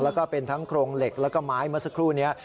แล้วก็เป็นทั้งโครงเหล็กแล้วก็ไม้เมื่อสักครู่นี้